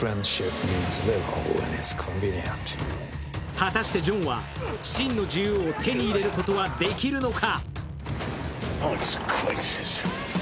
果たしてジョンは真の自由を手に入れることはできるのか。